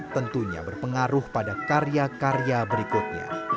tentunya berpengaruh pada karya karya berikutnya